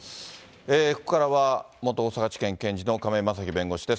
ここからは元大阪地検検事の亀井正貴弁護士です。